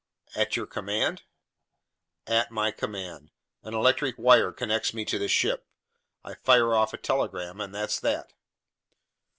"At your command?" "At my command. An electric wire connects me to the ship. I fire off a telegram, and that's that."